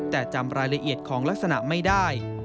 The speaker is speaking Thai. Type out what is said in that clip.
แต่จำรายละเอียดของลักษณะไม่ได้